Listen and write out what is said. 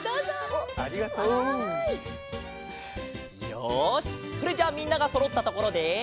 よしそれじゃあみんながそろったところで。